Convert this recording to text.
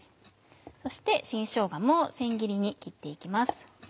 そして新しょうがも千切りに切って行きます。